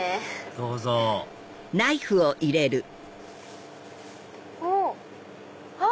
どうぞおっあっ！